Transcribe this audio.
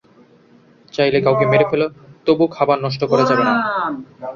চাইলে কাউকে মেরে ফেল, তবুও খাবার নষ্ট করা যাবে না।